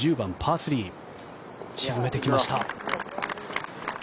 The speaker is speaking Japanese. ３沈めてきました。